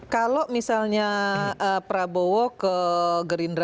kalau misalnya prabowo ke gerindra